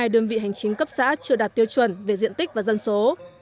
đơn vị hành chính cấp xã chưa đạt tiêu chuẩn về diện tích và dân số